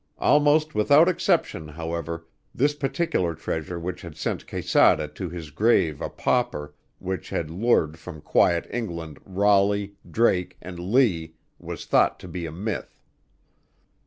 Almost without exception, however, this particular treasure which had sent Quesada to his grave a pauper, which had lured from quiet England Raleigh, Drake, and Leigh was thought to be a myth.